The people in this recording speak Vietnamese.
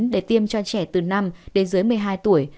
để tiêm cho trẻ từ năm đến dưới một mươi hai tuổi